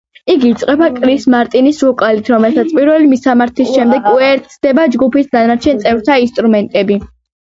იგი იწყება კრის მარტინის ვოკალით, რომელსაც პირველი მისამღერის შემდეგ უერთდება ჯგუფის დანარჩენ წევრთა ინსტრუმენტები.